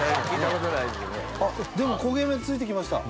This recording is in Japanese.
でも焦げ目ついて来ました。